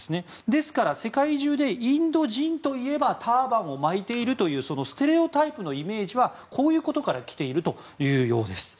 ですから、世界中でインド人といえばターバンを巻いているというステレオタイプのイメージはこういうことからきているというようです。